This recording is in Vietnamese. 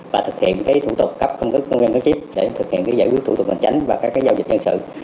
và thực hiện thủ tục cấp công dân có chip để thực hiện giải quyết thủ tục bàn chánh và các giao dịch nhân sự